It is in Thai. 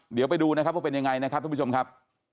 เดี๋ยวไปดูนะครับว่าเป็นยังไงนะครับทุกผู้ชมครับ